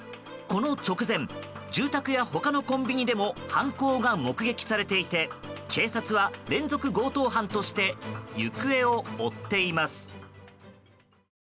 この直前住宅や他のコンビニでも犯行が目撃されていて警察は連続強盗犯として行方を追っています。